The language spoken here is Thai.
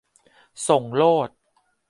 ส่งโลด